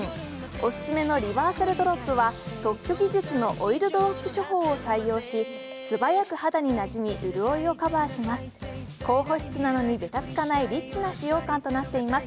オススメのリバーサルドロップは特許技術のオイルドロップ処方を採用し素早く肌になじみ、潤いをカバーします。